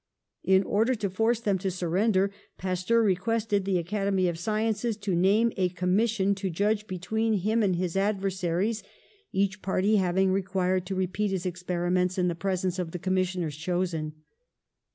In order to force them to surrender Pas teur requested the Academy of Sciences to name a commission to judge between him and 68 PASTEUR his adversaries, each party being required to re peat their experiments in the presence of the commissioners chosen.